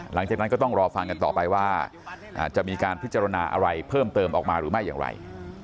หลังจากนั้นก็ต้องรอฟังกันต่อไปว่าจะมีการพิจารณาอะไรเพิ่มเติมออกมาหรือไม่อย่างไร